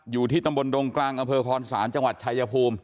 อยู่ที่ตำบลดงกลางอำเภอคอนศาลจังหวัดชายภูมิ